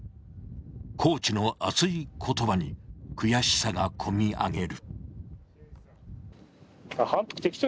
コーチの熱い言葉に悔しさが込み上げる。